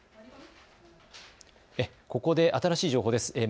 ここで新しい情報です。